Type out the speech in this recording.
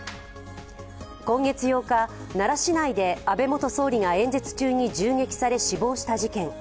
今月８日、奈良市内で安倍元総理が演説中に銃撃され死亡した事件。